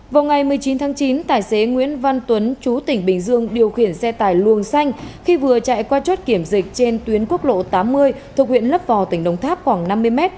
vào ngày một mươi chín tháng chín tài xế nguyễn văn tuấn chú tỉnh bình dương điều khiển xe tải luồng xanh khi vừa chạy qua chốt kiểm dịch trên tuyến quốc lộ tám mươi thuộc huyện lấp vò tỉnh đồng tháp khoảng năm mươi m